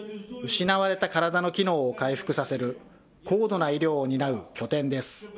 失われた体の機能を回復させる高度な医療を担う拠点です。